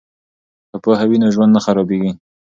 که پوهه وي نو ژوند نه خرابیږي.